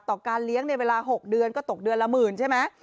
การเลี้ยงในเวลา๖เดือนก็ตกเดือนละหมื่นใช่ไหม